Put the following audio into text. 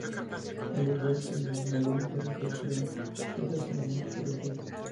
Y, al igual que la ley anterior, se crearon otras comunas por el país.